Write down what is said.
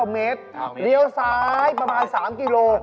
เมตรเลี้ยวซ้ายประมาณ๓กิโล